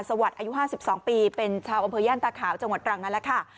สวัสดิ์อายุห้าสิบสองปีเป็นชาวอำเภวย่านตาขาวจังหวัดตรังนั้นแล้วค่ะ